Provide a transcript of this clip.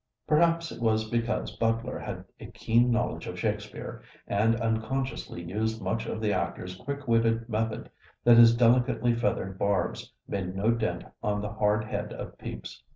Perhaps it was because Butler had a keen knowledge of Shakespeare, and unconsciously used much of the actor's quick witted method, that his delicately feathered barbs made no dent on the hard head of Pepys.